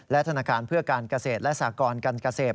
ธนาคารเพื่อการเกษตรและสากรการเกษตร